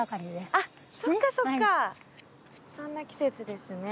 そんな季節ですね。